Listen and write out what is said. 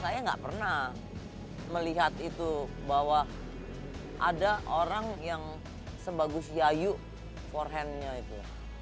saya enggak pernah melihat itu bahwa ada orang yang sebagus yayu forehandnya itu